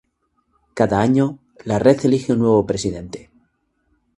Cada año, la red elige un nuevo presidente.